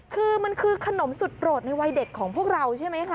คือมันคือขนมสุดโปรดในวัยเด็กของพวกเราใช่ไหมคะ